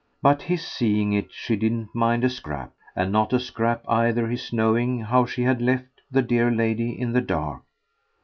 But HIS seeing it she didn't mind a scrap, and not a scrap either his knowing how she had left the dear lady in the dark.